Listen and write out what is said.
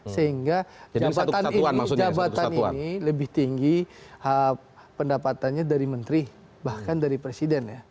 sehingga jabatan ini lebih tinggi pendapatannya dari menteri bahkan dari presiden ya